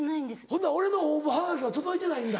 ほな俺の応募はがきは届いてないんだ。